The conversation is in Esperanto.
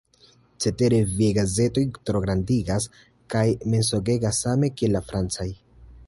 Cetere viaj gazetoj trograndigas kaj mensogegas same kiel la francaj.